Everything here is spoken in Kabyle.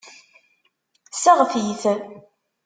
Seɣti-t.